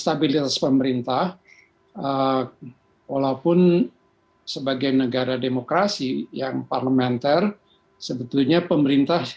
stabilitas pemerintah walaupun sebagai negara demokrasi yang parlementer sebetulnya pemerintah